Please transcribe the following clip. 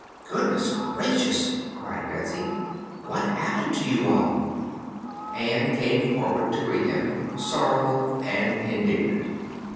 "Goodness gracious!" cried Betsy. "What has happened to you all?" Ann came forward to greet them, sorrowful and indignant.